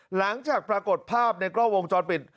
หลังจากปรากฏภาพในกล้องวงจรปิด